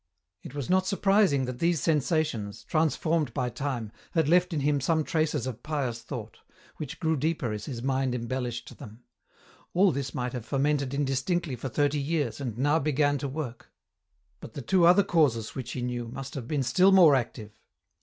It was not surprising that these sensations, transformed by time, had left in him some traces of pious thought, which grew deeper as his mind embellished them ; all this might have fermented indistinctly for thirty years, and now began to work. But the two other causes which he knew, must have been still more active.